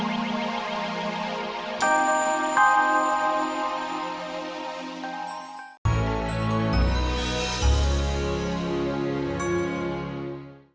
mungkin buat aku